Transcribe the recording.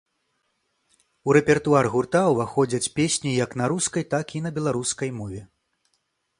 У рэпертуар гурта ўваходзяць песні як на рускай, так і на беларускай мове.